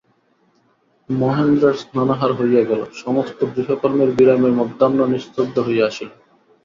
মহেন্দ্রের স্নানাহার হইয়া গেল–সমস্ত গৃহকর্মের বিরামে মধ্যাহ্ন নিস্তব্ধ হইয়া আসিল।